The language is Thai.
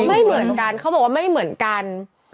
ไม่เหมือนกันเขาบอกว่าไม่เหมือนกัน